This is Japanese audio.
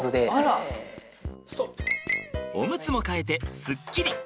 オムツも替えてすっきり。